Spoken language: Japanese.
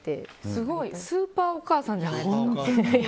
すごいスーパーお母さんじゃないですか。